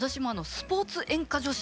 スポーツ演歌女子。